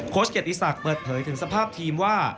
เกียรติศักดิ์เปิดเผยถึงสภาพทีมว่า